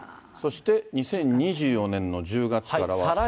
そして２０２４年の１０月からは。